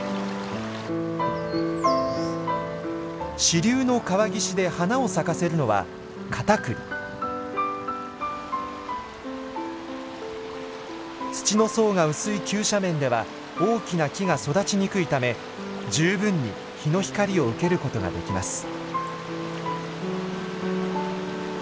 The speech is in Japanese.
支流の川岸で花を咲かせるのは土の層が薄い急斜面では大きな木が育ちにくいため十分に日の光を受けることができます。